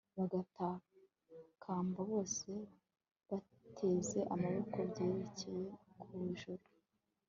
bagatakamba bose bateze amaboko bayerekeje ku ijuru